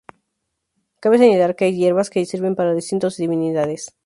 Cabe señalar que hay hierbas que sirven para distintos divinidades.